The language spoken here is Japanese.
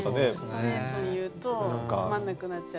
ストレートに言うとつまんなくなっちゃう。